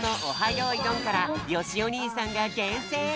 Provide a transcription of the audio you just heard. よいどん」からよしおにいさんがげんせん！